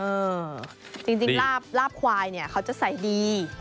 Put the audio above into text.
เออจริงลาบควายเนี่ยเขาจะใส่ดี